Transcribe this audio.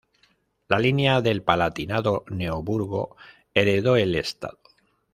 La línea del Palatinado-Neoburgo heredó el Estado.